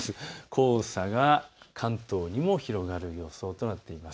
黄砂が関東にも広がる予想となっています。